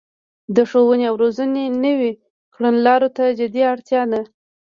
د ښوونې او روزنې نويو کړنلارو ته جدي اړتیا ده